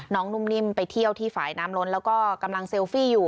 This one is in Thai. นุ่มนิ่มไปเที่ยวที่ฝ่ายน้ำล้นแล้วก็กำลังเซลฟี่อยู่